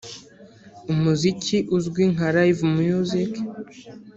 umuziki uzwi nka Live Music